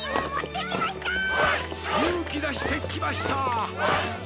ゆうきだしてきました！